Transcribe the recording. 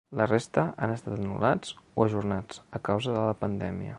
La resta han estat anul·lats o ajornats, a causa de la pandèmia.